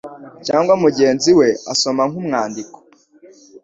cyangwa mugenzi we asoma nk'umwandiko,